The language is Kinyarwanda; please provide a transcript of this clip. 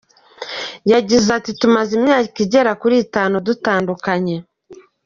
Yagize ati “Tumaze imyaka igera kuri itanu dutandukanye.